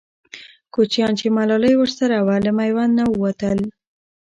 کوچیان چې ملالۍ ورسره وه، له میوند نه ووتل.